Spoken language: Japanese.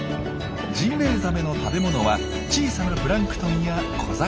ジンベエザメの食べ物は小さなプランクトンや小魚。